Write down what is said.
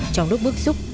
trong lúc bước xúc